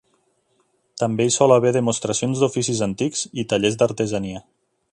També hi sol haver demostracions d'oficis antics i tallers d'artesania.